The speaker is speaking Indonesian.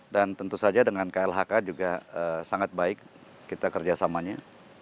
dan tentu saja dengan klhk juga sangat baik kita kerjasamanya